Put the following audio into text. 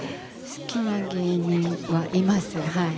好きな芸人はいますはい。